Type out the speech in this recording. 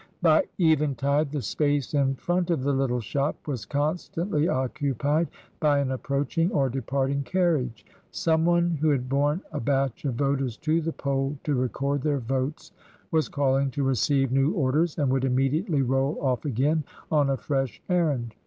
By eventide the space in front of the little shop was constantly occupied by an approaching or departing carriage — someone who had borne a batch of voters to the poll to record their votes was calling to receive new orders, and would immediately roll off again on a fresh errand.